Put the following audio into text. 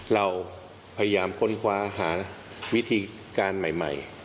เราพยายามค้นคว้าหาวิธีการใหม่